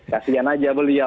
kasian aja beliau